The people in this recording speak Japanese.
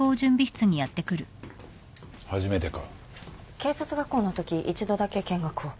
警察学校のとき一度だけ見学を。